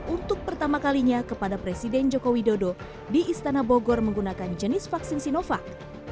untuk pertama kalinya kepada presiden joko widodo di istana bogor menggunakan jenis vaksin sinovac